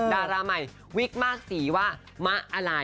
ดาราใหม่วิกมากสีว่ามะอะไร